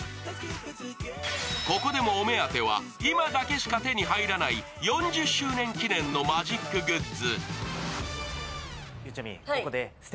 ここでもお目当ては、今だけしか手に入らない４０周年記念のマジックグッズ。